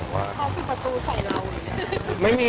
เขาปิดประตูใส่เรา